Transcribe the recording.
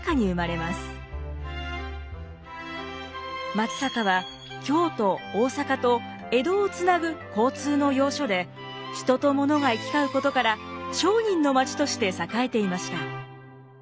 松坂は京都大坂と江戸をつなぐ交通の要所で人とものが行き交うことから商人の町として栄えていました。